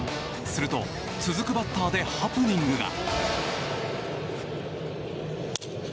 すると、続くバッターでハプニングが。